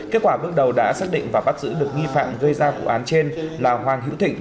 kết quả bước đầu đã xác định và bắt giữ được nghi phạm gây ra vụ án trên là hoàng hữu thịnh